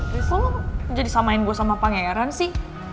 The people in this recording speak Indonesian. riz lo kok jadi samain gue sama pangeran sih